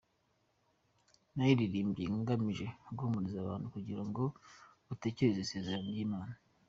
Nayiririmbye ngamije guhumuriza abantu kugira ngo bategereze isezerano ry'Imana.